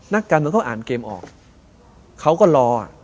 นักการเมืองเขาอ่านเกมออกเขาก็รอ